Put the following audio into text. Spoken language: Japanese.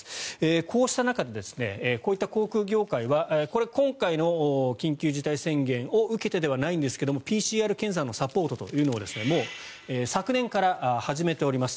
こうした中でこういった航空業界は今回の緊急事態宣言を受けてではないんですけれどもＰＣＲ検査のサポートというのをもう昨年から始めております。